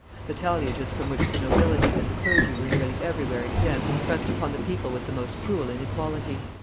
The talliages from which the nobility and the clergy were nearly everywhere exempt pressed upon the people with the most cruel inequality.